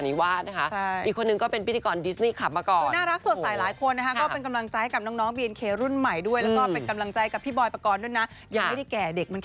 ในบุคเพศสันิวาสนะคะ